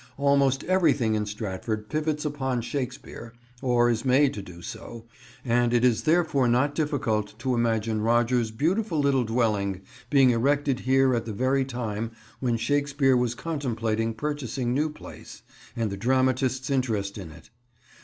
Almost everything in Stratford pivots upon Shakespeare, or is made to do so, and it is therefore not difficult to imagine Rogers' beautiful little dwelling being erected here at the very time when Shakespeare was contemplating purchasing New Place, and the dramatist's interest in it.